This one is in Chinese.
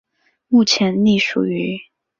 目前隶属于。